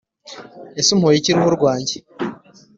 ese umpoye iki ruhu rwange?